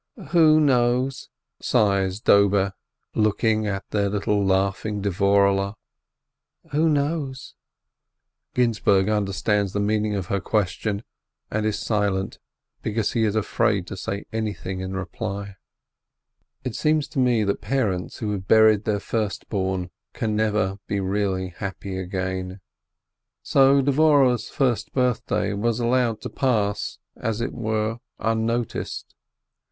"Who knows?" sighs Dobe, looking at their little laughing Dvorehle. "Who knows ?" Ginzburg understands the meaning of her question and is silent, because he is afraid to say anything in reply. YQHRZEIT FOR MOTHER 373 It seems to me that parents who have buried their first born can never be really happy again. So Dvorehle's first birthday was allowed to pass as it were unnoticed.